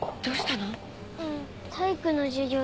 どうしたの？